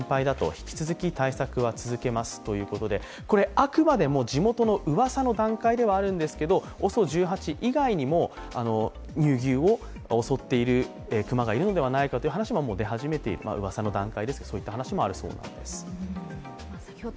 あくまでも地元のうわさの段階ではあるんですけど、ＯＳＯ１８以外にも、乳牛を襲っているクマがいるのではないかという話はもう出始めている、うわさの段階で、そういった話もあるそうです。